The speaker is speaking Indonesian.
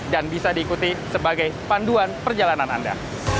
dan bisa diikuti sebagai panduan perjalanan anda